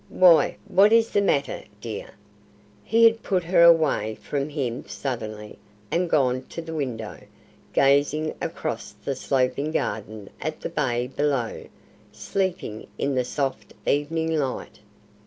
Why, what is the matter, dear?" He had put her away from him suddenly, and gone to the window, gazing across the sloping garden at the bay below, sleeping in the soft evening light.